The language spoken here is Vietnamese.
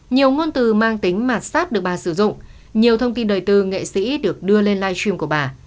nhiều ngôn từ mang tính mạt sát được bà sử dụng nhiều thông tin đời tư nghệ sĩ được đưa lên live stream của bà